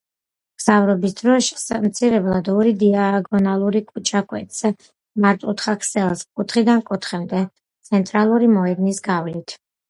მგზავრობის დროის შესამცირებლად ორი დიაგონალური ქუჩა კვეთს მართკუთხა ქსელს კუთხიდან კუთხემდე, ცენტრალური მოედნის გავლით.